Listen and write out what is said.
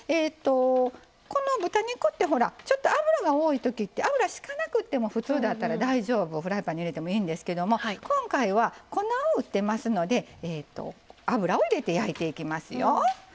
豚肉ってほらちょっと脂が多いときって油ひかなくっても普通だったら大丈夫フライパンに入れてもいいんですけども今回は粉を打ってますので油を入れて焼いていきますよ。